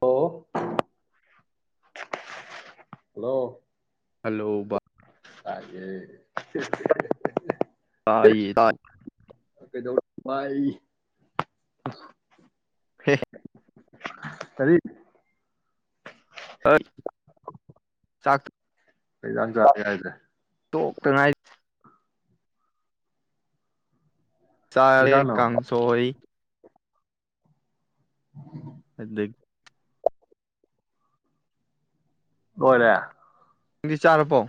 Hello hello hello ꯕꯥ ꯍꯥꯏꯦ ꯚꯥꯏ ꯇꯥꯏ ꯀꯩꯗꯧ [inaudible] ꯍ ꯀꯔꯤ ꯍ ꯆ ꯑꯩ ꯆ ꯍꯥꯏꯗꯦ ꯇꯣꯛꯇꯉꯥꯏ ꯆꯔꯦ ꯏꯟꯖꯥꯡꯅꯣ ꯀꯥꯡꯪꯁꯣꯣꯏ ꯑꯗꯨꯗ ꯍꯔ ꯗꯤ ꯆꯥꯔꯄꯣ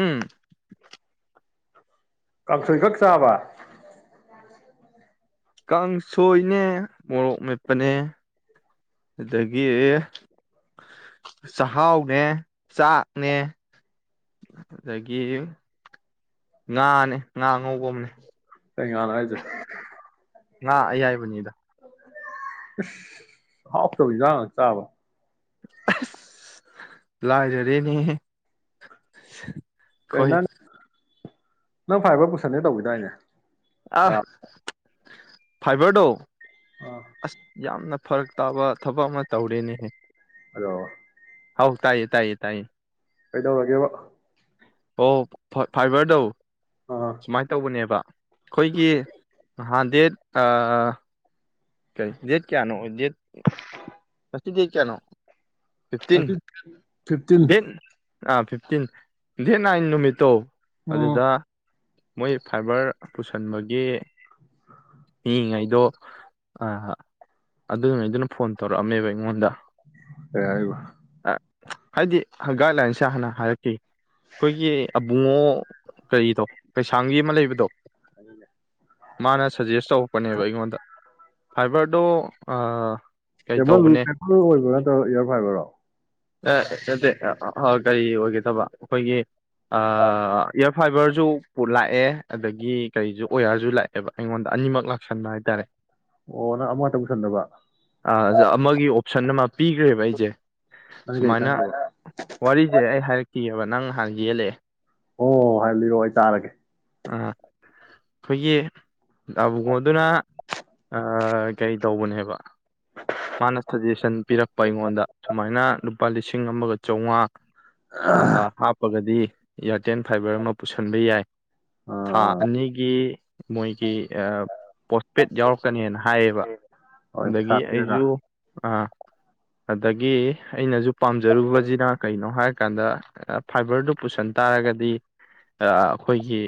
ꯎꯝ ꯀꯥꯡꯁꯣꯏ ꯈꯛ ꯆꯥꯕ ꯀꯥꯡꯁꯣꯏꯅꯦ ꯃꯣꯔꯣꯛ ꯃꯦꯠꯄꯅꯦ ꯑꯗꯨꯗꯒꯤ ꯆꯍꯥꯎꯅꯦ ꯆꯥꯛꯅꯦ ꯑꯗꯒꯤ ꯉꯥꯅꯦ ꯉꯥ ꯑꯉꯧꯕ ꯑꯃꯅꯦ ꯀꯩꯉꯥꯅꯣ ꯍꯥꯏꯁꯦ ꯉ ꯑꯌꯥꯏꯕꯅꯤꯗ ꯍꯐ ꯇꯃꯤ ꯆꯥꯕ ꯂꯥꯖꯔꯦꯅꯦ ꯀꯩ ꯍꯣꯏ ꯅꯪ ꯅꯪ ꯐꯔꯕ ꯄꯨꯁꯟꯅꯅꯤꯦ ꯇꯧꯋꯗꯥꯏꯅꯦ ꯑ ꯐꯥꯏꯕꯔꯗꯣ ꯑꯥ ꯑꯁ ꯌꯥꯝꯝ ꯅ ꯐꯔꯛ ꯇꯥꯕ ꯊꯕꯛ ꯑꯃ ꯇꯧꯔꯦꯅꯦꯍꯦ ꯑꯗꯣ ꯍꯥꯎ ꯇꯥꯏꯌꯦ ꯇꯥꯏꯌꯦ ꯇꯥꯏꯌꯦ ꯀꯩꯗ ꯋꯥꯒꯦꯕ ꯑꯣ ꯐ ꯐꯥꯏꯕꯔꯗꯧ ꯑꯥ ꯁꯨꯃꯥꯏꯅ ꯇꯧꯕꯅꯦꯕ ꯑꯩꯈꯣꯏꯒꯤ ꯍꯥꯟ ꯗꯦꯠ ꯑ ꯀ ꯗꯦꯠ ꯀꯌꯥꯅꯣ ꯗꯦꯠ ꯀꯁ ꯗꯦꯠ ꯀꯌꯥꯅꯣ ꯐꯤꯐꯇꯤꯟ ꯑꯗꯨ ꯐꯤꯞꯇꯤꯟ ꯗꯦꯠ ꯑꯥ ꯐꯤꯞꯇꯤꯟ ꯗꯦꯠ ꯅꯥꯏꯟ ꯅꯨꯃꯤꯠꯇꯣ ꯎꯝ ꯑꯗꯨꯗ ꯃꯣꯏ ꯐꯥꯏꯕꯔ ꯄꯨꯁꯟꯕꯒꯤ ꯃꯤꯏꯉꯩꯗꯣ ꯑꯗꯨꯉꯩꯗꯨꯅ ꯐꯣꯟ ꯇꯧꯔꯛꯑꯝꯃꯦꯕ ꯑꯩꯉꯣꯟꯗ ꯑꯦꯕ ꯍꯥꯏꯗꯤ ꯒꯥꯏꯗꯂꯥꯏꯟꯁꯦ ꯍꯥꯟꯅ ꯍꯥꯏꯔꯛꯈꯤ ꯑꯩꯈꯣꯏꯒꯤ ꯑꯕꯨꯡꯉꯣ ꯀꯔꯤꯗꯣ ꯀꯩꯁꯥꯝꯕꯤ ꯑꯃ ꯂꯩꯕꯗꯣ ꯃꯥꯅ ꯁꯖꯦꯁ ꯇꯧꯔꯛꯄꯅꯦꯕ ꯑꯩꯉꯣꯟꯗ ꯐꯥꯏꯕꯔꯗ ꯀꯦꯕꯜ ꯀꯦꯕꯜ ꯑꯣꯏꯕ꯭ꯔꯣ ꯅꯠꯇ꯭ꯔꯣ ꯏꯌꯥꯔ ꯐꯥꯏꯕꯔꯣ ꯑꯦ ꯅꯠꯇ ꯀꯔꯤ ꯑꯣꯏꯒꯦꯗꯕ ꯑꯩꯈꯣꯏꯒꯤ ꯑ ꯏꯔ ꯐꯥꯏꯕꯔ ꯁꯨ ꯄꯠ ꯂꯥꯛꯑꯦ ꯑꯗꯒꯤ ꯀꯔꯤꯁꯨ ꯑꯣꯌꯥꯔꯁꯨ ꯂꯥꯛꯑꯦꯕ ꯑꯩꯉꯣꯟꯗ ꯑꯅꯤꯃꯛ ꯂꯥꯛꯁꯟꯕ ꯍꯥꯏꯇꯥꯔꯦ ꯑꯣ ꯅꯪ ꯑꯃꯇ ꯄꯨꯁꯟꯅꯕ ꯑꯃꯒꯤ ꯑꯣꯞꯁꯟ ꯑꯃ ꯄꯤꯈ꯭ꯔꯦꯕ ꯑꯩꯁꯦ ꯅꯪ ꯀꯩ ꯁꯨꯃꯥꯏꯅ ꯈꯟꯈ꯭ꯔꯕ ꯋꯥꯔꯤꯁꯦ ꯑꯩ ꯍꯥꯏꯔꯛꯈꯤꯑꯕ ꯅꯪ ꯍꯥꯏ ꯂꯩꯦ ꯑꯣ ꯍꯥꯏꯕꯤꯔꯣ ꯑꯩ ꯆꯥꯔꯒꯦ ꯀꯦ ꯑꯕꯨꯡꯕꯉꯣꯗꯨꯅꯥ ꯑ ꯀꯩ ꯇꯧꯕꯅꯦꯕ ꯃꯥꯅ ꯁꯖꯦꯁꯟ ꯄꯤꯔꯛꯄ ꯑꯩꯉꯣꯟꯗ ꯁꯨꯃꯥꯏꯅ ꯂꯨꯄꯥ ꯂꯤꯁꯤꯡ ꯑꯃꯒ ꯆꯥꯝꯃꯉꯥ ꯑ ꯍꯥꯄꯒꯗꯤ ꯏꯌꯥꯔꯇꯦꯜ ꯐꯥꯏꯕꯔ ꯑꯃ ꯄꯨꯁꯟꯕ ꯌꯥꯏ ꯊꯥ ꯑꯥ ꯑꯅꯤꯒꯤ ꯃꯣꯏ ꯄꯣꯁꯄꯦꯗ ꯌꯥꯎꯔꯛꯀꯅꯦꯅ ꯍꯥꯏꯌꯦꯕ ꯍꯣꯏ ꯄꯩꯁꯥ ꯑꯗꯒꯤ ꯄꯤꯔꯒ ꯑꯩꯁꯨ ꯑꯗꯒꯤ ꯑꯩꯅꯁꯨ ꯄꯥꯝꯖꯔꯨꯕꯁꯤꯅ ꯀꯩꯅꯣ ꯍꯥꯏꯔꯀꯥꯟꯗ ꯐꯥꯏꯕꯔꯗꯨ ꯄꯨꯁꯟ ꯇꯥꯔꯒꯗꯤ ꯑꯩꯈꯣꯏꯒꯤ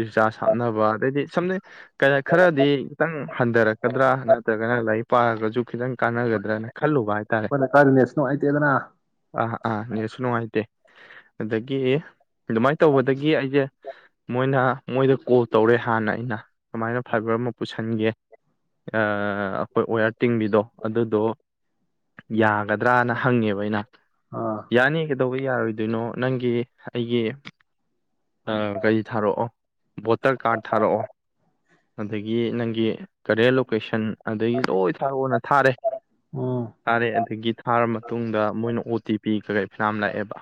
ꯔꯤꯆꯥꯔꯖ ꯍꯥꯞꯅꯕ ꯑꯗꯩꯗꯤ ꯁꯝꯅ ꯀꯩꯅ ꯈꯔꯗꯤ ꯈꯤꯇꯪ ꯍꯟꯊꯔꯛꯀꯗ꯭ꯔꯥ ꯅꯠꯇ꯭ꯔꯒꯅ ꯂꯥꯏꯔꯤꯛ ꯄꯥꯔꯒꯁꯨ ꯈꯤꯇꯪ ꯀꯥꯟꯅꯒꯗ꯭ꯔꯅ ꯈꯜꯂꯨꯕ ꯍꯥꯏ ꯑꯩꯈꯣꯏꯅ ꯀꯥꯏꯔꯤ ꯅꯦꯁ ꯅꯨꯡꯉꯥꯏꯇꯦꯗꯅ ꯅꯦꯁꯨ ꯅꯨꯡꯉꯥꯏꯇꯦ ꯑꯗꯨꯗꯒꯤ ꯑꯗꯨꯃꯥꯏꯅ ꯇꯧꯕꯗꯒꯤ ꯑꯩꯁꯦ ꯃꯣꯏꯅ ꯃꯣꯏꯗ ꯀꯣꯜ ꯇꯧꯔꯦ ꯍꯥꯟꯅ ꯑꯩꯅ ꯀꯃꯥꯏꯅ ꯐꯥꯏꯕꯔ ꯑꯃ ꯄꯨꯁꯤꯟꯒꯦ ꯑꯩꯈꯣꯏ ꯑꯣꯌꯥꯔ ꯇꯤꯡꯕꯤꯗꯣ ꯑꯗꯨꯗꯣ ꯌꯥꯒꯗ꯭ꯔꯥꯅ ꯍꯪꯉꯦꯕ ꯑꯩꯅ ꯑꯥ ꯌꯥꯅꯤ ꯀ ꯀ ꯇꯧꯕ ꯌꯥꯔꯣꯏꯗꯣꯏꯅꯣ ꯅꯪꯒꯤ ꯑꯩꯒꯤ ꯀꯔꯤ ꯊꯥꯔꯛꯑꯣ ꯚꯣꯇꯔ ꯀꯥꯔꯗ ꯊꯥꯔꯛꯑꯣ ꯑꯗꯒꯤ ꯅꯪꯒꯤ ꯀꯔꯦꯟ ꯂꯣꯀꯦꯁꯟ ꯑꯗꯒꯤ ꯂꯣꯏ ꯊꯥꯔꯛꯑꯣꯅ ꯊꯥꯔꯦ ꯎꯝ ꯑꯗꯒꯤ ꯊꯥꯔ ꯃꯇꯨꯡꯗ ꯃꯣꯏꯅ ꯑꯣ ꯇꯤ ꯄꯤ ꯀꯩꯀꯩ ꯐꯅꯥ ꯂꯥꯛꯑꯦꯕ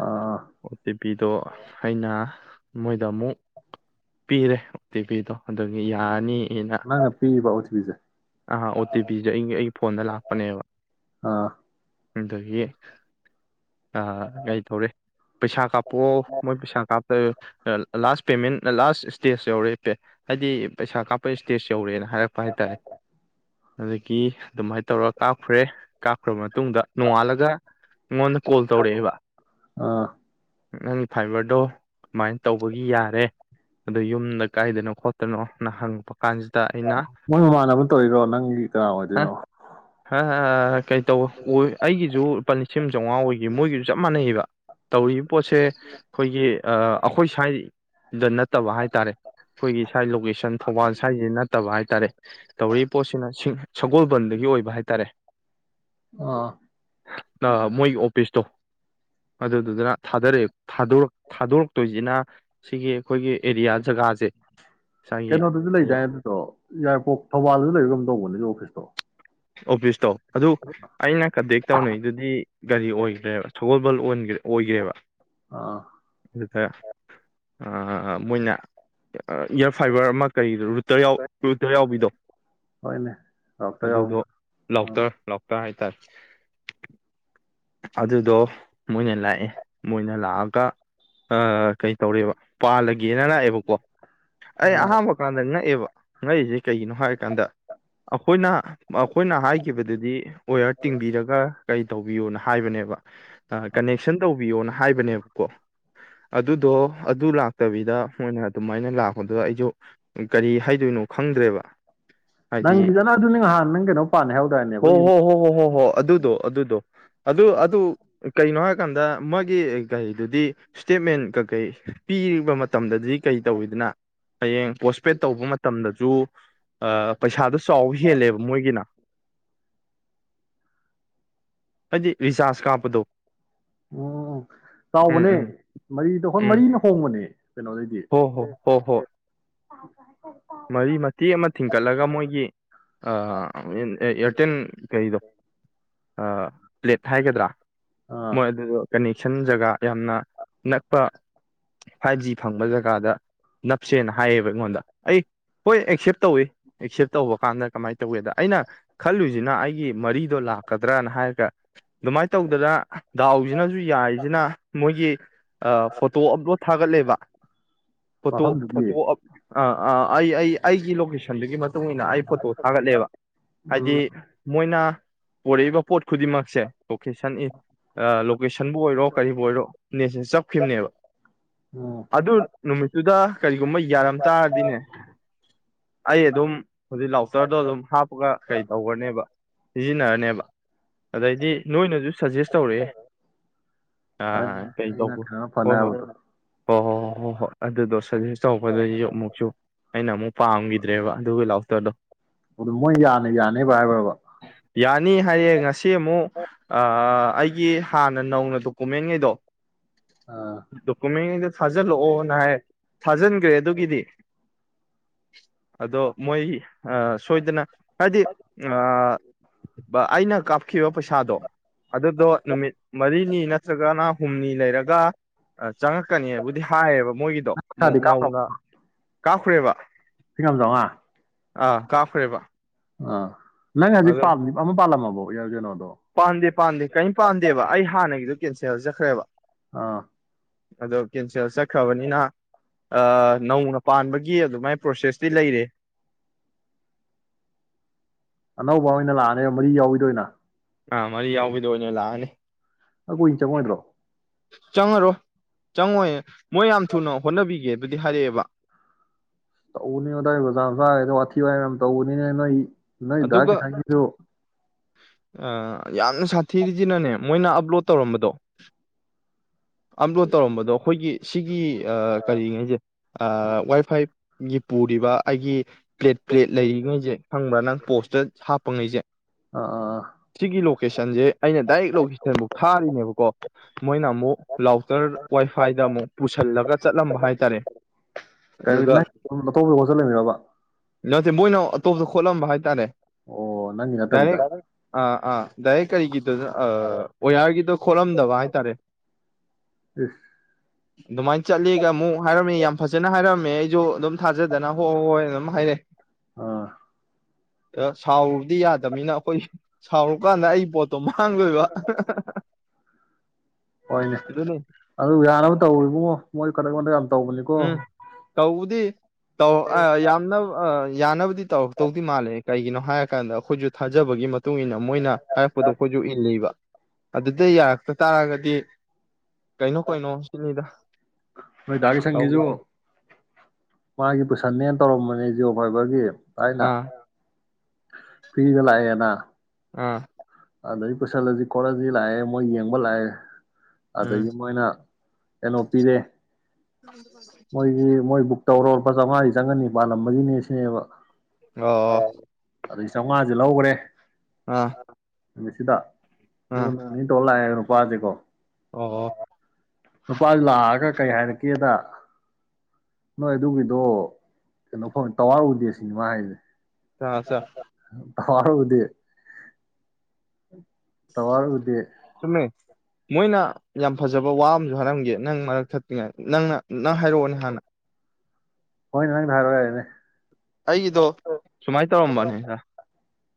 ꯑꯥ ꯑꯣꯠꯇ ꯄꯤꯗꯣ ꯑꯩꯅ ꯃꯣꯏꯗ ꯑꯃꯨꯛ ꯄꯤꯔꯦ ꯑꯣ ꯇꯤ ꯄꯤꯗꯣ ꯑꯗꯨꯗꯒꯤ ꯌꯥꯔꯅꯤ ꯅ ꯄꯤꯕꯥꯎ ꯊ ꯀꯖꯥ ꯑꯥ ꯑꯣ ꯇꯤ ꯄꯤꯁꯨꯦ ꯑꯩꯒꯤ ꯑꯩꯒꯤ ꯐꯣꯟꯗ ꯂꯥꯛꯄꯅꯦꯕ ꯑꯥ ꯑꯗꯒꯤ ꯀꯩ ꯇꯧꯔꯦ ꯄꯩꯁꯥ ꯀꯥꯞꯄꯑꯣ ꯃꯣꯏ ꯄꯩꯁꯥ ꯀꯥꯞꯇ ꯂꯥꯁ ꯄꯦꯃꯦꯟ ꯂꯥꯁ ꯏꯁꯇꯦꯖ ꯌꯧꯔꯦ ꯄꯦ ꯍꯥꯏꯗꯤ ꯄꯩꯁꯥ ꯀꯥꯞꯄ ꯏꯁꯇꯦꯖ ꯌꯧꯔꯦꯅ ꯍꯥꯏꯔ ꯄꯇꯥꯦ ꯑꯗꯒꯤ ꯑꯗꯨꯃꯥꯏꯅ ꯇꯧꯔꯒ ꯀꯥꯞꯈ꯭ꯔꯦ ꯀꯥꯞꯈ꯭ꯔꯕ ꯃꯇꯨꯡ ꯃꯇꯨꯡꯗ ꯅꯣꯡꯉꯥꯜꯂꯒ ꯑꯩꯉꯣꯟꯗ ꯀꯣꯜ ꯇꯧꯔꯛꯑꯦꯕ ꯑꯥ ꯅꯪꯒꯤ ꯐꯥꯏꯕꯔꯗꯣ ꯀꯃꯥꯏꯅ ꯇꯧꯕꯒꯤ ꯌꯥꯔꯦ ꯑꯗꯣ ꯌꯨꯝꯗ ꯀꯥꯏꯗꯅꯣ ꯈꯣꯠꯇꯅꯣ ꯅꯪ ꯍꯪꯉꯛꯕ ꯃꯣꯏ ꯃꯃꯥꯟꯅꯕ ꯇꯧꯔꯤꯈ꯭ꯔꯣ ꯅꯪꯒꯤ ꯀꯅꯥ ꯑꯣꯏꯗꯣꯏꯅꯣ ꯑ ꯀꯩ ꯇꯧ ꯑꯣꯏ ꯑꯩꯒꯤꯁꯨ ꯁꯤꯝ ꯆꯥꯝꯃꯉꯥ ꯑꯣꯏꯈꯤꯕ ꯃꯣꯏꯒꯤꯁꯨ ꯆꯞ ꯃꯥꯟꯅꯩꯑꯕ ꯇꯧꯔꯤ ꯄꯣꯠꯁꯦ ꯑꯩꯈꯣꯏꯒꯤ ꯑꯩꯈꯣꯏ ꯁꯥꯏ ꯑꯗꯨꯗ ꯅꯠꯇꯕ ꯍꯥꯏꯇꯥꯔꯦ ꯍꯣꯏꯒꯤ ꯁꯥꯏ ꯂꯣꯀꯦꯁꯟ ꯊꯧꯕꯥꯜ ꯁ꯭ꯋꯥꯏꯁꯤ ꯅꯠꯇꯕ ꯍꯥꯏꯇꯥꯔꯦ ꯇꯧꯔꯛꯔꯤꯕ ꯄꯣꯠꯁꯤꯅ ꯁꯒꯣꯜꯕꯟꯗꯒꯤ ꯑꯣꯏꯕ ꯍꯥꯏꯇꯥꯔꯦ ꯑꯥ ꯃꯣꯏꯒꯤ ꯑꯣꯐꯤꯁꯇꯣ ꯑꯗ ꯑꯗꯨꯗꯨꯅ ꯊꯥꯗꯔꯛꯑꯦ ꯊꯥꯗꯣꯔꯛꯦ ꯊꯥꯗꯣꯔꯛꯇꯣꯏꯁꯤꯅ ꯁꯤꯒꯤ ꯑꯩꯈꯣꯏꯒꯤ ꯑꯦꯔꯤꯌꯥ ꯖꯒꯥꯁꯤ ꯀꯩꯅꯣꯗꯁꯨ ꯂꯩꯗꯥꯏ ꯑꯗꯨꯗꯣ ꯏꯌꯥꯔꯄꯣꯔꯠ ꯊꯧꯕꯥꯜꯗꯁꯨ ꯂꯩꯕ ꯀꯝ ꯇꯧꯕꯅꯤꯁꯨ ꯑꯣꯐꯤꯁꯇꯣ ꯑꯣꯐꯤꯁꯇꯣ ꯑꯗꯨ ꯑꯩꯅ ꯀꯟꯇꯦꯛ ꯇꯧꯅꯩꯗꯨꯗꯤ ꯒꯥꯔꯤ ꯑꯣꯏꯈ꯭ꯔꯦꯕ ꯁꯒꯣꯜ ꯗꯜ ꯑꯣꯏꯈ꯭ꯔꯦꯕ ꯑꯥ ꯑꯗꯨꯗ ꯃꯣꯏꯅ ꯏꯌꯥꯔ ꯐꯥꯏꯕꯔ ꯑꯃ ꯀꯔꯤ ꯇꯇꯔ ꯀꯨꯇꯔ ꯌꯥꯎꯕꯤꯗꯣ ꯍꯣꯏꯅꯦ ꯔꯛꯇ ꯌꯥꯎꯗ ꯂꯣꯛꯇꯔ ꯂ ꯇ ꯍꯥꯏ ꯇꯔ ꯑꯗꯨꯗꯣ ꯃꯣꯏꯅ ꯂꯥꯛꯑꯦ ꯃꯣꯏꯅ ꯂꯥꯛꯑꯒ ꯀꯩꯇꯧꯔꯦꯕ ꯄꯥꯜꯂꯒꯦꯅ ꯂꯥꯛꯑꯦꯕꯀꯣ ꯑꯩ ꯑꯥ ꯑꯍꯥ ꯃꯈ ꯀꯥꯟꯗꯪꯅ ꯉꯛꯁꯦ ꯀꯩꯒꯤꯅꯣ ꯍꯥꯏꯔ ꯀꯥꯟꯗ ꯑꯩꯈꯣꯏꯅ ꯑꯩꯈꯣꯏꯅ ꯍꯥꯏꯈꯤꯕꯗꯨꯗꯤ ꯑꯣꯌꯥꯔ ꯇꯤꯡꯕꯤꯔꯒ ꯀꯩ ꯇꯧꯕꯤꯌꯣꯅ ꯍꯥꯏꯕꯅꯦꯕ ꯀꯅꯦꯛꯁꯟ ꯇꯧꯕꯤꯌꯣ ꯅ ꯍꯥꯏꯕꯅꯦꯕꯀꯣ ꯑꯗꯨꯗꯣ ꯑꯗꯨ ꯂꯥꯛꯇꯕꯤꯗ ꯃꯣꯏꯅ ꯑꯗꯨꯃꯥꯏꯅ ꯂꯥꯛꯄꯗꯨꯗ ꯑꯩꯁꯨ ꯀꯔꯤ ꯍꯥꯏꯗꯣꯏꯅꯣ ꯈꯪꯗ꯭ꯔꯦꯕ ꯍꯥꯏꯗꯤ ꯅꯪꯒꯤꯖꯅ ꯑꯗꯨ ꯅꯍꯥꯟ ꯅꯪ ꯀꯩꯅꯣ ꯄꯥꯍꯧꯗ꯭ꯔꯔꯅꯦ ꯑꯩꯈꯣꯏ ꯍ ꯑꯗꯨꯗꯣ ꯑꯗꯨꯗꯣ ꯑꯗꯨ ꯑꯗꯨ ꯀꯩꯅꯣ ꯍꯥꯏꯔꯀꯥꯟꯗ ꯃꯥꯒꯤ ꯫ ꯆꯥꯎ ꯍꯦꯜꯂꯦꯕ ꯃꯣꯏꯒꯤꯅ꯫ ꯑꯩ ꯔꯤꯁꯥꯁ ꯀꯥꯞꯄꯗꯣ꯫ ꯎꯝ ꯎꯝ ꯎꯝ ꯆꯥꯎꯕꯅꯦ ꯎꯝ ꯃꯔꯤꯗ ꯃꯔꯤꯅ ꯍꯣꯡꯕꯅꯦ꯫ ꯍꯤ ꯍꯣ ꯍꯣ ꯍꯣ꯫ ꯍ ꯐꯥꯏ [unintelligible] [inaudible] ꯃꯔꯤ ꯃꯇꯦꯛ ꯑꯃ ꯊꯤꯡꯀꯠꯂꯒ ꯃꯣꯏꯒꯤ ꯏꯌꯥꯔꯇꯦꯜ ꯀꯩꯗꯣ ꯑ ꯄ꯭ꯂꯦꯠ ꯍꯥꯏꯒꯗ꯭ꯔꯥ꯫ ꯑꯥ ꯃꯣꯏ ꯑꯗꯨ ꯀꯅꯦꯛ꯫ ꯖꯒꯥ ꯌꯥꯝꯅ ꯅꯛꯄ ꯐꯥꯏꯚ ꯖꯤ ꯐꯪꯕ ꯖꯒꯥꯗ꯫ ꯁꯦꯅ ꯍꯥꯏꯌꯦꯕ ꯑꯩꯉꯣꯟꯗ ꯑꯩ꯫ ꯍꯣꯏ ꯑꯦꯛꯁꯦꯞ ꯇꯧꯏꯤ ꯑꯦꯛꯁꯦꯞ ꯇꯧꯕ ꯀꯥꯟꯗ ꯀꯃꯥꯏꯅ ꯇꯧꯏꯤꯗ ꯑꯩꯅ ꯈꯜꯂꯨꯁꯤꯅ ꯑꯩꯒꯤ ꯃꯔꯤꯗꯣ ꯂꯥꯛꯀꯗ꯭ꯔꯅ ꯍꯥꯏꯔꯒ ꯑꯗꯨꯃꯥꯏꯅ ꯇꯧꯗꯅ ꯗꯥꯎꯁꯤꯅꯁꯨ ꯌꯥꯏꯁꯤꯅ ꯃꯣꯏꯒꯤ ꯐꯣꯇꯣ ꯑꯞꯂꯣꯗ ꯊꯥꯒꯠꯂꯦꯕ꯫ ꯐꯣꯇꯣ ꯃꯐꯝꯗꯨꯗꯤ ꯐꯣꯇꯣ ꯑꯞ ꯑꯞ ꯑꯥ ꯑꯥ ꯫ ꯑꯩ ꯑꯩ ꯑꯩꯒꯤ ꯂꯣꯀꯦꯁꯟꯗꯨꯒꯤ ꯃꯇꯨꯡ ꯏ ꯃꯇꯨꯡꯏꯟꯅ ꯑꯩ ꯐꯣꯇꯣ ꯊꯥꯒꯠꯂꯦꯕ ꯍꯥꯏꯗꯤ ꯎꯝ ꯃꯣꯏꯅ꯫ ꯄꯨꯔꯛ ꯏꯕ ꯄꯣꯠ꯫ ꯈꯨꯗꯤꯡꯃꯛꯁꯦ ꯂꯣꯀꯦꯁꯟ ꯂꯣꯀꯦꯁꯟꯕꯨ ꯑꯣꯏꯔꯣ ꯀꯔꯤꯕꯨ ꯑꯣꯏꯔꯣ ꯅꯦꯁꯦ ꯆꯞꯈꯤꯕꯅꯦꯕ ꯎꯝ ꯑꯗꯨ ꯅꯨꯃꯤꯠꯇꯨꯗ꯫ ꯒꯨꯝꯕ ꯌꯥꯔꯝ ꯇꯥꯔꯗꯤꯅꯦ꯫ ꯑꯩ ꯑꯗꯨꯝ ꯍꯧꯖꯤꯛ ꯂꯥꯎꯆꯔꯗꯣ ꯑꯗꯨꯝ ꯍꯥꯞꯄꯒ ꯀꯩ ꯇꯧꯈ꯭ꯔꯅꯦꯕ ꯁꯤꯖꯤꯟꯅꯔꯅꯦꯕ꯫ ꯑꯗꯩꯗꯤ ꯅꯣꯏꯅꯁꯨ ꯁꯖꯦꯁ ꯇꯧꯔꯛꯑꯦ ꯑ ꯍꯣꯏꯅꯦ ꯑꯩꯅ ꯀꯩꯗꯧꯕ ꯀꯩꯅꯣ ꯐꯅꯤ ꯍꯣꯏ ꯍꯣꯏ ꯍꯥꯏꯕꯗꯣ ꯍꯣꯏ ꯍꯣꯏ ꯍꯣꯏ ꯍꯣꯏ ꯍꯣꯏ ꯑꯗꯨꯗꯣ ꯁꯖꯦꯁ ꯇꯧꯔꯛꯗꯁꯨ ꯑꯃꯨꯛꯁꯨ꯫ ꯑꯃ ꯄꯥꯝꯈꯤꯗ꯭ꯔꯦꯕ ꯑꯗꯨꯒ꯫ ꯂꯥꯎꯗꯣ꯫ ꯑꯗꯨ ꯃꯣꯏ ꯌꯥꯅ ꯌꯥꯅꯦꯕ ꯍꯥꯏꯕ꯭ꯔꯕ ꯌꯥꯅꯤ ꯍꯥꯏꯌꯦ ꯉꯁꯤ ꯑꯃꯨꯛ ꯑꯥꯥ ꯫ ꯑꯩꯒꯤ ꯍꯥꯟꯅ ꯅꯧꯅ ꯗꯣꯀꯨꯃꯦꯟꯈꯩꯗꯣ꯫ ꯑꯥ ꯗꯣꯀꯨꯃꯦꯟ ꯒꯩꯗꯣ ꯊꯥꯖꯜ ꯑꯣꯅ ꯍꯏꯌꯦ꯫ ꯊꯥꯖꯤꯟꯈ꯭ꯔꯦ ꯑꯗꯨꯒꯤꯗꯤ꯫ ꯑꯗꯣ ꯃꯣꯏ ꯁꯣꯏꯗꯅ ꯍꯥꯏꯗꯤ ꯑꯩꯅ꯫ ꯀꯥꯞꯈꯤꯕ ꯄꯩꯁꯥꯗꯣ ꯑꯗꯨꯗꯣ ꯅꯨꯃꯤꯠ ꯃꯔꯤꯅꯤ ꯅꯠꯇ꯭ꯔꯒꯅ꯫ ꯍꯨꯝꯅꯤ ꯂꯩꯔꯒ ꯆꯪꯉꯛꯀꯅꯤꯕꯨꯗꯤ ꯍꯥꯏꯌꯦꯕ ꯃꯣꯏꯒꯤꯗꯣ ꯑꯃꯨꯛ ꯄꯩꯁꯥꯗꯤ ꯀꯥꯞ ꯅꯧꯅ꯫ ꯀꯥꯄꯈ꯭ꯔꯦꯕ꯫ ꯁꯤꯡꯒꯝ ꯆꯥꯝꯃꯉꯥ ꯑꯥ ꯀꯞꯈꯔ꯭ꯦꯕꯥ꯫ ꯑꯥ꯫ ꯅꯪ ꯍꯧꯖꯤꯛ ꯄ ꯑꯃ ꯄꯥꯜꯂꯝꯃꯕ [unintelligible] [inaudible] ꯌꯥꯣꯖꯅꯣ ꯄꯥꯟꯗꯦ ꯄꯥꯟꯗꯦ ꯀꯔꯤꯝ ꯄꯥꯟꯗꯦꯕ ꯑꯩ ꯍꯥꯟꯅꯒꯤꯗꯨꯣ ꯀꯦꯟꯁꯦꯜꯖꯈ꯭ꯔꯦꯕ ꯑꯥ ꯑꯗꯣ ꯀꯦꯟꯁꯦꯜ ꯆꯠꯈ꯭ꯔꯕꯅꯤꯅ ꯅꯧꯅ ꯄꯥꯟꯕꯒꯤ ꯑꯗꯨꯃꯥꯏꯅ ꯄ꯭ꯔꯣꯁꯦꯁꯇꯤ ꯂꯩꯔꯦ ꯑꯅꯧꯕ ꯑꯣꯏꯅ ꯂꯥꯛꯑꯅꯦꯕ ꯃꯔꯤ ꯌꯥꯎꯏꯗꯣꯏꯅ ꯑꯥ ꯃꯔꯤ ꯌꯥꯎꯕꯗꯣ ꯑꯣꯏꯅ ꯂꯥꯛꯑꯅꯤ ꯑ ꯀꯣꯏ ꯆ ꯃꯥꯅꯤꯔꯣ ꯆꯪꯉꯔꯣ ꯆꯪꯉꯣꯏ ꯃꯣꯏ ꯌꯥꯝ ꯊꯨꯅ ꯍꯣꯠꯅꯕꯤꯒꯦ ꯑꯗꯨꯗꯤ ꯍꯥꯏꯔꯛꯑꯦꯕ ꯇꯧꯕꯅꯦ ꯑꯗꯨꯗꯋꯥꯏ ꯕꯖꯥ ꯖꯥꯗꯣ ꯑꯊꯤ ꯋꯥꯏ ꯃꯌꯥꯝ ꯇꯧꯕꯅꯤꯅꯦ ꯅꯣꯏ ꯅꯗꯒ ꯑꯗꯨꯒ ꯊꯒꯤꯗꯨ ꯌꯥꯝꯅ ꯁꯥꯊꯤꯔꯤꯁꯤꯅꯅꯦ ꯃꯣꯏꯅ ꯑꯞꯂꯣꯗ ꯇꯧꯔꯝꯕꯗꯣ ꯑꯞꯂꯣꯗ ꯇꯧꯔꯝꯕꯗꯣ ꯑꯩꯈꯣꯏꯒꯤ ꯁꯤꯒꯤ ꯀꯔꯤꯉꯩꯁꯦ ꯋꯥꯏ ꯐꯥꯏ ꯒꯤ ꯄꯨꯔꯤꯕ ꯑꯩꯒꯤ ꯄ꯭ꯂꯦꯠ ꯄ꯭ꯂꯦꯠ ꯂꯩꯔꯤꯉꯩꯁꯦ ꯈꯪꯕ꯭ꯔꯥ ꯅꯪ ꯄꯣꯁꯇꯞ ꯄꯨꯡꯉꯩꯁꯦ ꯑꯥ ꯑꯥ ꯁꯤꯒꯤ ꯂꯣꯀꯦꯁꯟꯁꯦ ꯑꯩꯅ ꯗꯥꯏꯔꯦꯛ ꯂꯣꯀꯦꯁꯟꯐꯨꯛ ꯊꯥꯔꯤꯅꯦꯕꯀꯣ ꯃꯣꯏꯅ ꯑꯃꯨꯛ ꯂꯥꯎꯇꯔ ꯋꯥꯏꯐꯥꯏꯗ ꯑꯃꯨꯛ ꯄꯨꯁꯤꯜꯂꯒ ꯆꯠꯂꯝꯕ ꯍꯥꯏ ꯇꯔꯦ ꯀꯩ ꯑꯗꯨꯒ ꯅꯪ ꯑꯇꯣꯞꯄꯗ ꯍꯣꯁꯇꯦꯜ ꯂꯩꯃꯤꯟꯅꯔꯕ ꯅꯠꯇꯦ ꯃꯣꯏꯅ ꯑꯇꯣꯞꯇ ꯈꯣꯠꯂꯝꯕ ꯍꯥꯏꯇꯥꯔꯦ ꯑꯣ ꯅꯪꯒꯤ ꯗꯅꯤ ꯅꯠꯇꯕꯤꯗ ꯑꯥ ꯑꯥ ꯇꯏ ꯀꯔꯤꯒꯤꯗ ꯑꯣꯋꯌꯥꯔꯒꯤꯗꯣ ꯈꯣꯠꯂꯝꯗꯕ ꯍꯥꯏꯇꯥꯔꯦ ꯏꯁ ꯑꯗꯨꯃꯥꯏꯅ ꯆꯠꯂꯤꯒ ꯑꯃꯨꯛ ꯍꯥꯏꯔꯝꯃꯤ ꯌꯥꯝ ꯐꯖꯅ ꯍꯥꯏꯔꯝꯃꯤ ꯃꯦ ꯑꯩꯁꯨ ꯑꯗꯨꯝ ꯊꯥꯖꯗꯅ ꯍꯣꯏ ꯍꯣꯏꯅ ꯑꯗꯨꯝ ꯍꯥꯏꯔꯛꯑꯦ ꯑꯥ ꯑ ꯁꯥꯎꯕꯗꯤ ꯇꯅꯤꯅ ꯑꯩꯈꯣꯏ ꯁꯥꯎꯔꯨꯀꯥꯟꯗ ꯑꯩ ꯄꯣꯠꯇꯣ ꯃꯥꯡꯂꯣꯏꯕ ꯍꯣꯏꯅꯦ ꯑꯗꯨ ꯌꯥꯅꯕ ꯇꯧ ꯏꯕꯨꯡꯣ ꯃꯣꯏ ꯀꯗꯛꯊ ꯎꯝ ꯇꯧꯕꯗꯤ ꯇꯧ ꯑ ꯌꯥꯝꯅ ꯌꯥꯅꯅꯕꯗꯤ ꯇꯧ ꯇꯧꯔꯛ ꯇꯧꯗꯤ ꯃꯥꯂꯦ ꯀꯩꯒꯤꯅꯣ ꯍꯥꯏꯔ ꯀꯥꯟꯗ ꯑꯩꯈꯣꯏꯁꯨ ꯊꯥꯖꯕꯒꯤ ꯃꯇꯨꯡ ꯏꯟꯅ ꯃꯣꯏꯅ ꯍꯥꯏꯔꯛꯄꯗꯣ ꯑꯩꯈꯣꯏꯁꯨ ꯏꯜꯂꯤꯕ ꯑꯗꯨꯗ ꯌꯥꯔꯛꯇ ꯇꯥꯔꯒꯗꯤ ꯀꯩꯅꯣ ꯀꯩꯅꯣ ꯆꯤꯅꯤꯗ ꯅꯣꯏꯗꯥꯒꯤꯁꯪꯒꯤꯁꯨ ꯃꯥꯒꯤ ꯄꯨꯁꯟꯅꯅ ꯇꯧꯔꯝꯕꯅꯦ ꯖꯤꯑꯣ ꯐꯥꯏꯕꯒꯤ ꯇꯥꯏꯅ ꯑꯥ ꯐꯤꯒ ꯂꯑꯅ ꯑꯥ ꯑꯗꯗꯒꯤ ꯀꯣꯏꯁꯜꯂꯁꯤ ꯈꯣꯠꯂꯁꯤ ꯂꯥꯛꯑꯦ ꯃꯣꯏ ꯌꯦꯡꯕ ꯂꯥꯛꯑꯦ ꯎꯝ ꯑꯗꯒꯤ ꯃꯣꯏꯅ ꯑꯦꯂꯣ ꯄꯤꯗ ꯅ [inaudible] ꯇꯧꯔꯣꯄꯥ ꯆꯥꯝꯃꯉꯥꯗꯤ ꯆꯪꯒꯅꯤ ꯄꯥꯜꯂꯝꯕꯒꯤꯅꯦ ꯁꯤꯅꯦꯕ ꯑ ꯑꯗꯨꯗꯒꯤ ꯆꯥꯝꯃꯉꯥꯁꯦ ꯂꯧꯈ꯭ꯔꯦ ꯑꯥ ꯁꯤꯗ ꯑꯥ ꯇꯣꯜꯂ ꯍꯥꯏ ꯄꯄꯥꯖꯀꯣ ꯑꯣ ꯅꯨꯨꯄꯥꯗꯨ ꯂꯥꯛꯑꯒ ꯀꯩ ꯍꯥꯏꯔꯛꯀꯦꯗ ꯅꯣꯏ ꯑꯗꯨꯒꯤꯗꯣ ꯀꯩꯅꯣ ꯐꯪꯉꯦ ꯇꯋꯥꯔꯎꯗꯦ ꯁꯤꯅꯤꯃ ꯍꯥꯏꯁꯦ ꯁꯥꯁ ꯍ ꯍꯧꯗꯤ ꯎꯝ ꯇꯧꯋꯥꯔꯒꯗꯤ ꯆꯨꯝꯃꯦ ꯃꯣꯏꯅ ꯌꯥꯝ ꯐꯖꯕ ꯋꯥ ꯑꯃꯁꯨ ꯍꯥꯏꯔꯝꯒꯦ ꯅꯪ ꯃꯔꯛ ꯊꯛꯇ꯭ꯔꯤꯉꯩ ꯅꯪꯅ ꯅꯪ ꯍꯥꯏꯔꯛꯑꯣꯅꯦ ꯍꯥꯟꯅ ꯍꯣꯏ ꯅꯪ ꯙꯔ ꯋꯥꯅꯦ ꯑꯩꯒꯤꯗꯣ ꯁꯨꯃꯥꯏꯅ ꯇꯧꯔꯝꯕꯅꯤꯅ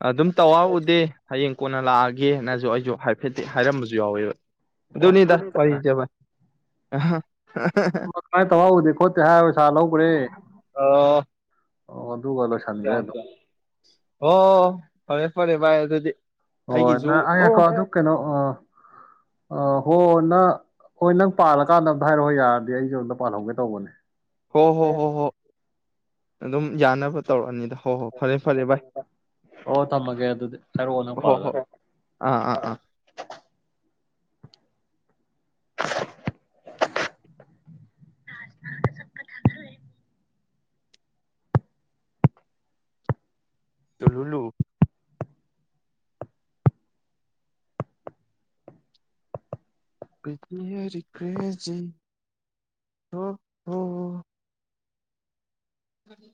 ꯑꯗꯨꯝ ꯇꯧꯔꯎꯗꯦ ꯍꯌꯦꯡ ꯀꯣꯟꯅ ꯂꯥꯛꯑꯒꯦꯅꯁꯨ ꯑꯩꯁꯨ ꯍꯥꯏꯐꯦꯠꯇ ꯍꯥꯏꯔꯝꯕꯁꯨ ꯌꯥꯎꯋꯦꯕ ꯅꯤꯗ ꯋꯥꯔꯤꯖꯕ ꯀꯃꯥꯏꯅ ꯇꯧꯍꯎꯗꯦ ꯈꯣꯠꯇꯦ ꯍꯥꯏꯔ ꯁꯥꯥ ꯂꯧꯈ꯭ꯔꯦ ꯑꯣ ꯑꯣ ꯑꯗꯨꯒ ꯂꯣꯏꯁꯤꯟꯈ꯭ꯔꯦ ꯑꯗꯨꯝ ꯑꯣ ꯐꯔꯦ ꯐꯔꯦ ꯚ ꯑꯗꯨꯗꯤ ꯍ ꯑꯩꯒꯤꯁꯨ ꯅ ꯑꯣ ꯑꯀꯣ ꯑꯗꯨ ꯀꯩꯅꯣ ꯑ ꯑ ꯍꯣ ꯅꯪ ꯍꯣꯏ ꯅꯪ ꯄꯥꯜꯂꯀꯥꯟꯗ ꯑꯝꯇ ꯍꯥꯏꯔꯛꯑꯣꯣꯏ ꯌꯥꯔꯗꯤ ꯑꯩꯁꯨꯦ ꯑꯝꯇ ꯄꯥꯜꯍꯧꯒꯦ ꯇꯧꯕꯅꯦ ꯍꯣ ꯍꯣ ꯍꯣ ꯍꯣ ꯑꯗꯨꯝ ꯌꯥꯅꯕ ꯇꯧꯔꯛꯑꯅꯤꯗ ꯍꯣꯏ ꯍꯣꯏ ꯐꯔꯦ ꯐꯔꯦ ꯚꯏ ꯑꯣ ꯊꯝꯃꯒꯦ ꯑꯗꯨꯗꯤ ꯍꯥꯏꯔꯛꯑꯣ ꯅꯪ ꯍꯣ ꯍꯣꯏ ꯄꯥꯜꯂꯀꯥꯟꯗ ꯑꯥ ꯑꯥ ꯑꯥ ꯇ ꯂꯨꯂꯨ ꯀꯗꯤ ꯍꯔ ꯀꯖꯤ ꯍ ꯎꯝ